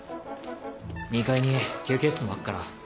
２階に休憩室もあっから。